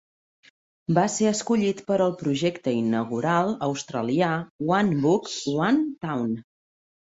Va ser escollit per al projecte inaugural australià "One Book-One Town".